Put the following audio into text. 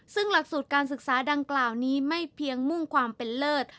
ซึ่งหลักสูตรการศึกษาดังกล่าวนี้ไม่เพียงมุ่งความเป็นเลิศ